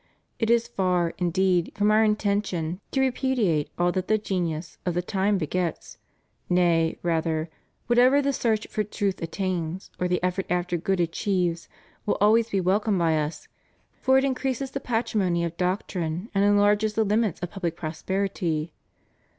It is far, indeed, from Our intention to repudiate all that the genius of the time begets; nay, rather, whatever the search for truth attains, or the effort after good achieves, will always be welcome by Us, for it increases the patrimony of doctrine and enlarges the limits of pubHc prosperity.